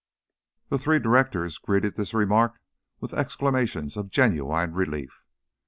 The three directors greeted this remark with exclamations of genuine relief.